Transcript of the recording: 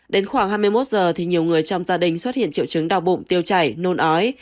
đến khoảng hai mươi một giờ thì nhiều người trong gia đình xuất hiện triệu chứng đau bụng tiêu chảy nôn ói